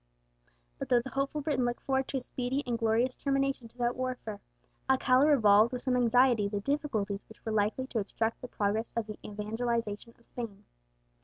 But though the hopeful Briton looked forward to a speedy and glorious termination to that warfare, Alcala revolved with some anxiety the difficulties which were likely to obstruct the progress of the evangelization of Spain.